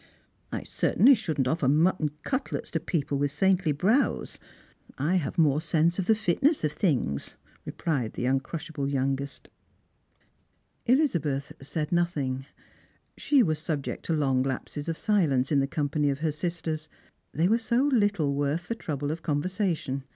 " I certainly shouldn't offer mutton cutlets to people with saintly brows; I have more sense of the fitness of things," rephed the uncmshable youngest. EUzabeth said nothing. She was subject to long lapses of silence in the company of her sisters. They were so little worth the trouble of conversation.